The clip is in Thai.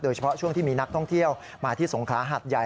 เฉพาะช่วงที่มีนักท่องเที่ยวมาที่สงขลาหัดใหญ่